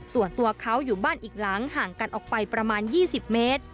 ส่วนตัวเขาอยู่บ้านอีกหลังห่างกันออกไปประมาณ๒๐เมตร